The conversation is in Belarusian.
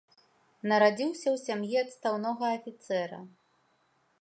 Нарадзіўся ў сям'і адстаўнога афіцэра.